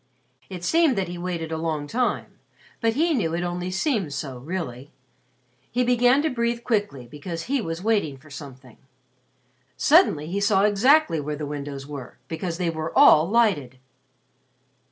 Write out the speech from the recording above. It seemed that he waited a long time, but he knew it only seemed so really. He began to breathe quickly because he was waiting for something. Suddenly he saw exactly where the windows were because they were all lighted!